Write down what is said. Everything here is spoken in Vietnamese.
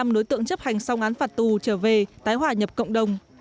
sáu mươi năm đối tượng chấp hành song án phạt tù trở về tái hỏa nhập cộng đồng